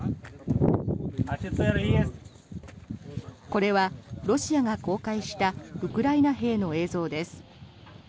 これはロシアが公開したウクライナ兵の映像です。